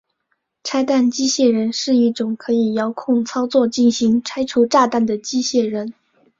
拆弹机械人是一种可以遥控操作进行拆除炸弹的机械人。